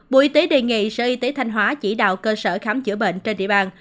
bộ y tế đề nghị sở y tế thanh hóa chỉ đạo cơ sở khám chữa bệnh trên địa bàn